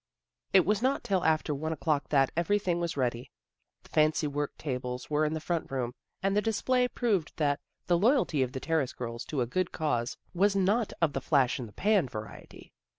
It was not till after one o'clock that every thing was ready. The fancy work tables were in the front room, and the display proved that the loyalty of the Terrace girls to a good cause was not of the flash in the pan variety.